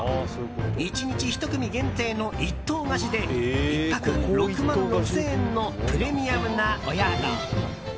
１日１組限定の１棟貸しで１泊６万６０００円のプレミアムな、お宿。